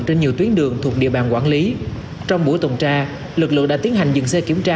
trên nhiều tuyến đường thuộc địa bàn quản lý trong buổi tuần tra lực lượng đã tiến hành dừng xe kiểm tra